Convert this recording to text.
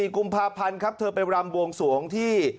๔กุมภาพันธ์ครับเธอไปรำบวงสวงที่